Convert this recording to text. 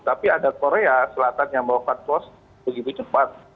tapi ada korea selatan yang melakukan pos begitu cepat